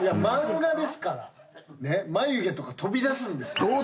漫画ですから眉毛とか飛び出すんですよ。